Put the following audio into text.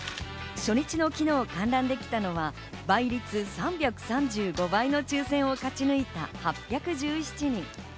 初日の昨日、観覧できたのは倍率３３５倍の抽選を勝ち抜いた８１７人。